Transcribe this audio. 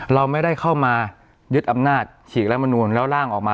เราไม่ได้เข้ามายึดอำนาจฉีกรัฐมนูลแล้วร่างออกมา